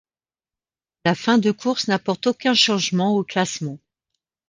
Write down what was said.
La fin de course n'apporte aucun changement au classement.